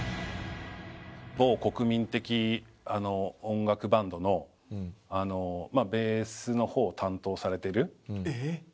某国民的音楽バンドのベースの方を担当されてる奥さまから。